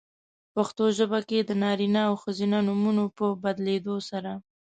پښتو ژبه کې د نارینه او ښځینه نومونو په بدلېدو سره؛